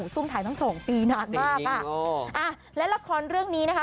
ซุ่มถ่ายตั้งสองปีนานมากอ่ะและละครเรื่องนี้นะคะ